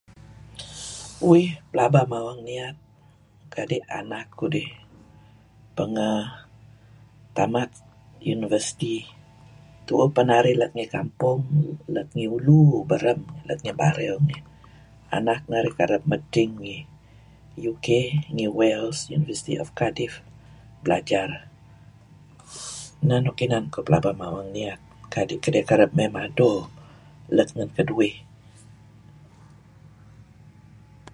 Uih pelaba mawang niyat kadi' anak kudih pengeh tamat university tu'uh peh narih let ngi kampong let ngi ulu Baram let Bario ngih. Anak narih kereb medting ngi UK ngi Wales University of Cardiff belajar neh nuk inan kuh pelaba mawang niyat kadi' kediyeh kereb mey mado let ngan keduih.